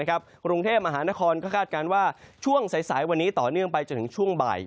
กรุงเทพมหานครก็คาดการณ์ว่าช่วงสายวันนี้ต่อเนื่องไปจนถึงช่วงบ่าย